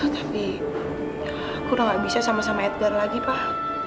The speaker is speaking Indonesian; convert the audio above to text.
tapi aku udah gak bisa sama sama edgar lagi pak